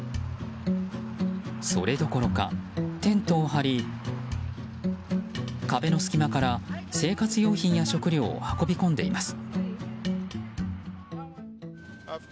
それどころかテントを張り壁の隙間から生活用品や食料を運び込んでいます。